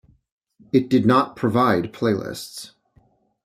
It did not provide playlists.